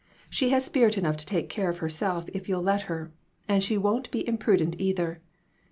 She has spirit enough to take care of herself if you'll let her, and she won't be impru dent, either.